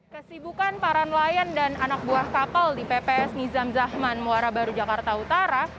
kesibukan para nelayan dan anak buah kapal di pps nizam zahman muara baru jakarta utara